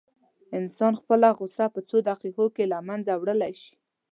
انسان خپله غوسه په څو دقيقو کې له منځه وړلی شي.